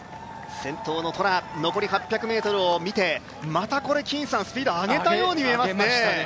先頭のトラ残り８００ｍを見てまたこれ、金さん、スピードを上げたように見えましたね。